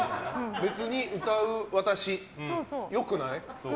別に歌う私、良くない？